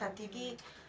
saya tuh sursi